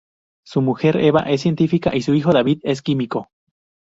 Su mujer Eva es científica y su hijo David es químico.